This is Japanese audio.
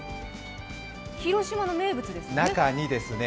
広島の名物ですよね。